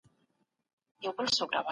د ژوند هر پړاو ارزښت لري.